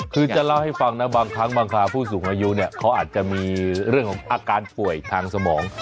คือจะเล่าให้ฟังนะบางครั้งบางคราผู้สูงอายุเนี่ยเขาอาจจะมีเรื่องของอาการป่วยทางสมอง